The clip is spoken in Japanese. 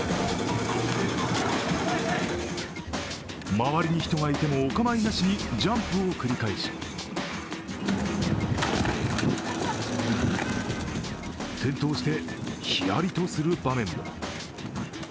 周りに人がいても、お構いなしにジャンプを繰り返し転倒してひやりとする場面も。